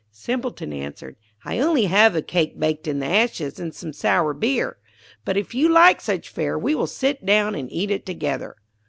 Simpleton answered, 'I only have a cake baked in the ashes, and some sour beer; but, if you like such fare, we will sit down and eat it together.'